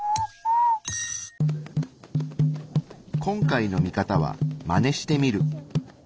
今回の見方は「マネしてみる」。